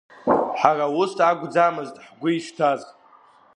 Ҳара ус акәӡамызт ҳгәы ишҭаз!